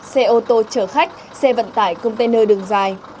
xe ô tô chở khách xe vận tải container đường dài